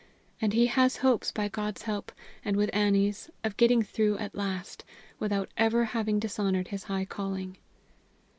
And he has hopes by God's help, and with Annie's, of getting through at last, without ever having dishonored his high calling.